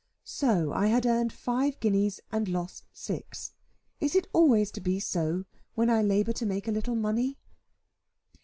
So I had earned five guineas, and lost six. Is it always to be so when I labour to make a little money?